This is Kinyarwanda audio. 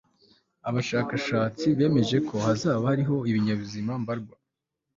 abashakashatsi bemeje ko hazaba hariho ibinyabuzima mbarwa